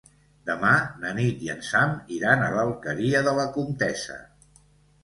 Demà na Nit i en Sam iran a l'Alqueria de la Comtessa.